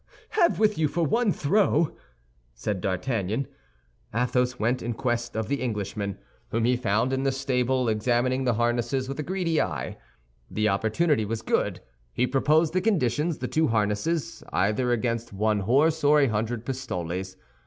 "Have with you for one throw!" said D'Artagnan. Athos went in quest of the Englishman, whom he found in the stable, examining the harnesses with a greedy eye. The opportunity was good. He proposed the conditions—the two harnesses, either against one horse or a hundred pistoles.